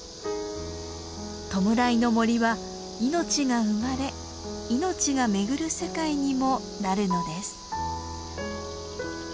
弔いの森は命が生まれ命が巡る世界にもなるのです。